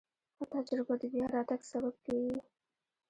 ښه تجربه د بیا راتګ سبب کېږي.